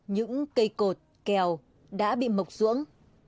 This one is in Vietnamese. những cây cột kèo đã bị mộc ruộng